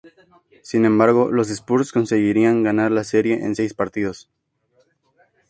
Sin embargo los Spurs conseguirían ganar la serie en seis partidos.